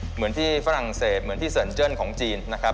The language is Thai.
เหมือนที่ฝรั่งเศสเหมือนที่เซินเจิ้นของจีนนะครับ